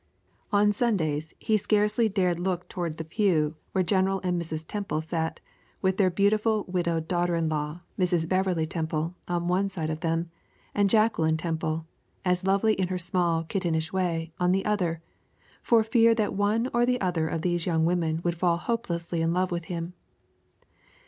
On Sundays he scarcely dared look toward the pew where General and Mrs. Temple sat, with their beautiful widowed daughter in law, Mrs. Beverley Temple, on one side of them, and Jacqueline Temple, as lovely in her small, kittenish way, on the other, for fear that one or the other of these young women would fall hopelessly in love with him.